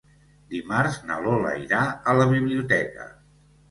Dimarts na Lola irà a la biblioteca.